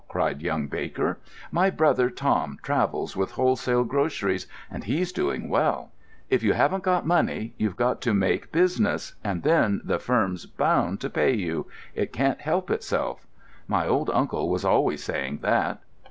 cried young Baker. "My brother Tom travels with wholesale groceries, and he's doing well." "If you haven't got money, you've got to make business, and then the firm's bound to pay you—it can't help itself. My old uncle was always saying that."